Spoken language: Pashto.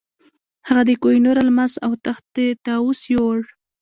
هغه د کوه نور الماس او تخت طاووس یووړ.